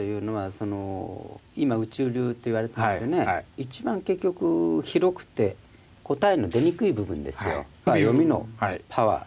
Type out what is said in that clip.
一番結局広くて答えの出にくい部分ですよ。